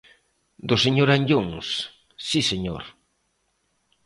Do señor Anllóns, si señor.